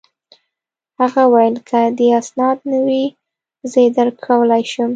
هغه وویل: که دي اسناد نه وي، زه يې درکولای شم.